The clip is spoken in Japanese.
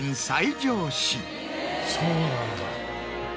そうなんだ。